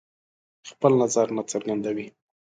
خپل نظر نه څرګندوي.